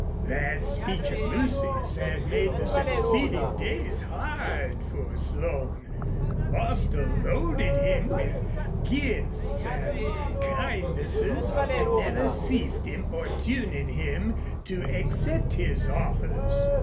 That speech of Lucy's had made the succeeding days hard for Slone. Bostil loaded him with gifts and kindnesses, and never ceased importuning him to accept his offers.